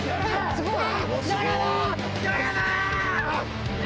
すごい！